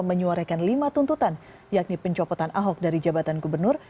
menyuarakan lima tuntutan yakni pencopotan ahok dari jabatan gubernur